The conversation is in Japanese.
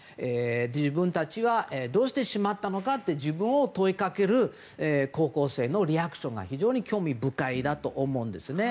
自分たちはどうしてしまったのかと自分に問いかける高校生のリアクションが非常に興味深いと思うんですね。